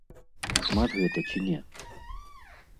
Шмат гэта ці не?